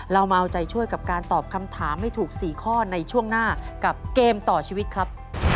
เรามาเอาใจช่วยกับการตอบคำถามให้ถูก๔ข้อในช่วงหน้ากับเกมต่อชีวิตครับ